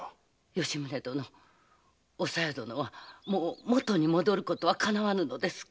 吉宗殿お小夜殿はもうもとに戻ることはかなわぬのですか？